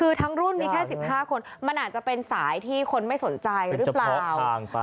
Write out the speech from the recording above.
คือทั้งรุ่นมีแค่๑๕คนมันอาจจะเป็นสายที่คนไม่สนใจหรือเปล่า